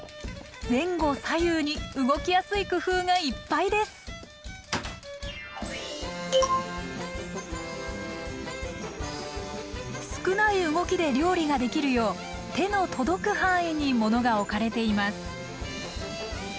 前後左右に動きやすい工夫がいっぱいです少ない動きで料理ができるよう手の届く範囲に物が置かれています